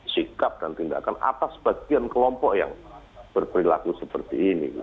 sikap dan tindakan atas bagian kelompok yang berperilaku seperti ini